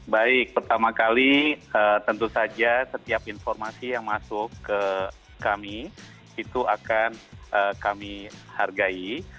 baik pertama kali tentu saja setiap informasi yang masuk ke kami itu akan kami hargai